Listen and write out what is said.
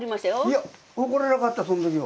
いや怒らなかったそのときは。